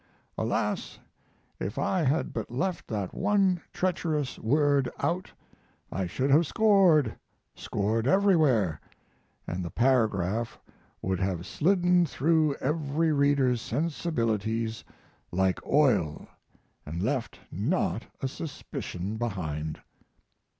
Alas! if I had but left that one treacherous word out I should have scored, scored everywhere, and the paragraph would have slidden through every reader's sensibilities like oil and left not a suspicion behind.